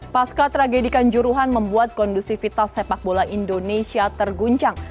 pasca tragedikan juruhan membuat kondusivitas sepak bola indonesia terguncang